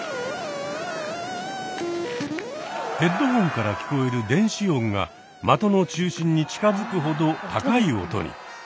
ヘッドホンから聞こえる電子音が的の中心に近づくほど高い音に。